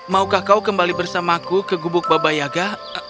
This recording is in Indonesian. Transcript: maukah kau kembali bersamaku ke gubuk baba yaga